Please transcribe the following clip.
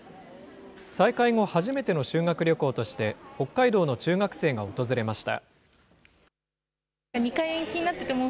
再開後、初めての修学旅行として、北海道の中学生が訪れました。